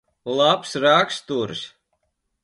Labs raksturs.